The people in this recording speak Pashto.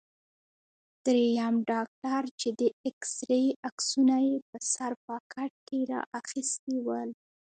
دریم ډاکټر چې د اېکسرې عکسونه یې په سر پاکټ کې را اخیستي ول.